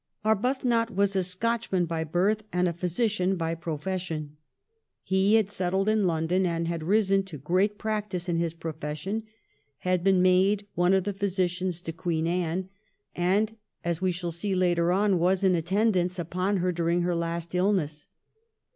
Arbuthnot was a Scotchman by birth, and a physician by profession. He had settled in London, had risen to great practice in his profession, had been made one of the physicians to Queen Anne, 1713 THE HISTORY OF JOHN BULL. 303 and, as we shall see later on, was in attendance upon her during her last illness.